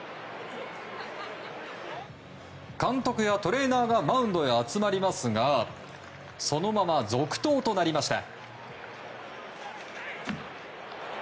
監督やトレーナーがマウンドへ集まりますがそのまま続投となりました。